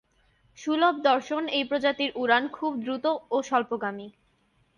সুলভ দর্শন এই প্রজাতির উড়ান খুব দ্রুত ও স্বল্পগামী।